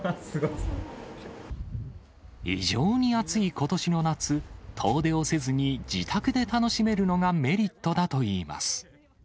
異常に暑いことしの夏、遠出をせずに自宅で楽しめるのがメリットだといいます。